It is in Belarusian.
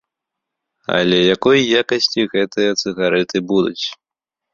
Але якой якасці гэтыя цыгарэты будуць?